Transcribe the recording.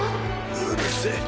うるせぇ。